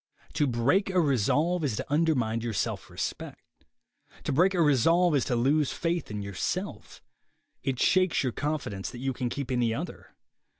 To break a resolve is to undermine your self respect. To break a resolve is to lose faith in yourself. It shakes your confidence that you can keep any other.